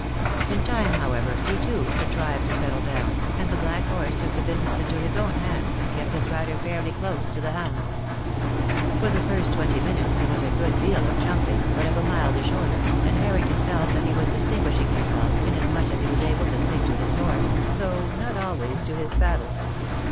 In time, however, he, too, contrived to settle down, and the black horse took the business into his own hands, and kept his rider fairly close to the hounds. For the first twenty minutes there was a good deal of jumping, but of a mildish order, and Harrington felt that he was distinguishing himself, inasmuch as he was able to stick to his horse, though not always to his saddle. 20 THE DAY WILL COME.